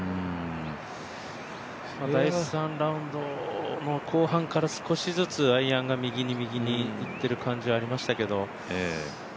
第３ラウンドの後半から少しずつアイアンが右に右にいってる感じがありましたけれども。